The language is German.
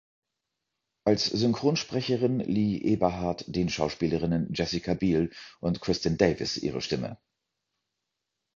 Als Synchronsprecherin lieh Eberhard den Schauspielerinnen Jessica Biel und Kristin Davis ihre Stimme.